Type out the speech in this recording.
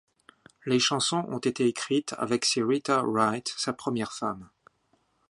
Les chansons ont été écrites avec Syreeta Wright, sa première femme.